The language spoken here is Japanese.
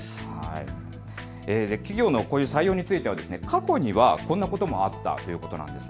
企業のこういう採用については過去にはこんなこともあったということなんです。